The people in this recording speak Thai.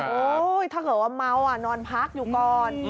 โอ้โหถ้าเกิดว่าเมาอะนอนพักอยู่ก่อน